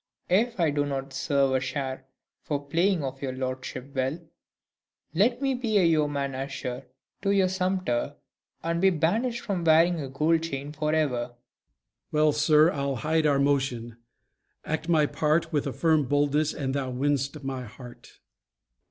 RANDALL. If I do not serve a share for playing of your lordship well, let me be yeoman usher to your sumpter, and be banished from wearing of a gold chain forever. MORE. Well, sir, I'll hide our motion: act my part With a firm boldness, and thou winst my heart.